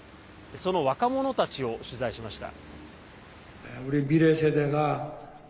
その若者たちを取材しました。